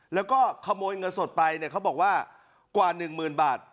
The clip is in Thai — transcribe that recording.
แล้วก็ขโมยเงินสดไปเนี่ยเขาบอกว่ากว่า๑หมื่นบาท